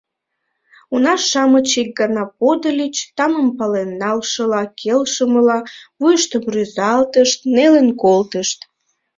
Уна-шамыч ик гана подыльыч, тамым пален налшыла, келшымыла, вуйыштым рӱзалтышт, нелын колтышт.